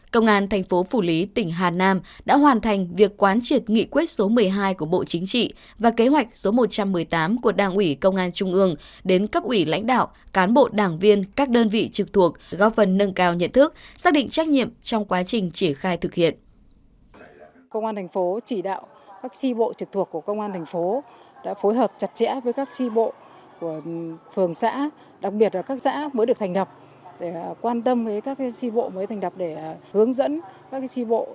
công an tp hcm đã hoàn thành việc quán triệt nghị quyết số một mươi hai của bộ chính trị và kế hoạch số một trăm một mươi tám của đảng ủy công an trung ương đến cấp ủy lãnh đạo cán bộ đảng viên các đơn vị trực thuộc của công an tp hcm đã phối hợp chặt chẽ với các chi bộ mới thành đập để hướng dẫn các chi bộ mới thành đập để hướng dẫn các chi bộ